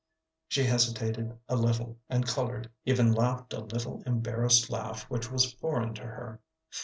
She hesitated a little and colored, even laughed a little, embarrassed laugh which was foreign to her.